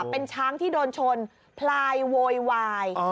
เป็นช้างที่โดนชนพลายโวยวาย